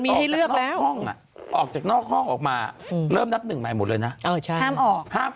อ๋อไปร์ต์กลับมาเมืองไทยแล้วหรอ